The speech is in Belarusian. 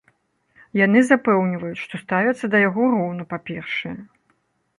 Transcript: Яны запэўніваюць, што ставяцца да яго роўна, па-першае.